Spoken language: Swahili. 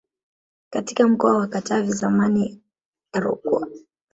katika mkoa wa Katavi zamani Rukwa